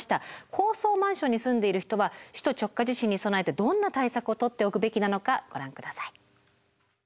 高層マンションに住んでいる人は首都直下地震に備えてどんな対策を取っておくべきなのかご覧下さい。